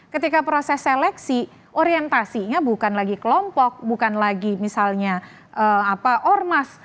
ketika proses seleksi orientasinya bukan lagi kelompok bukan lagi misalnya ormas